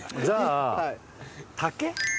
じゃあ竹？